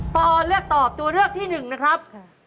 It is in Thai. พระออนเลือกตอบตัวเลือกที่หนึ่งนะครับ